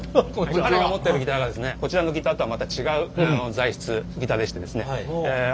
彼が持ってるギターがですねこちらのギターとはまた違う材質ギターでしてですね。